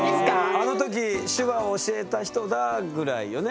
あの時手話を教えた人だぐらいよね？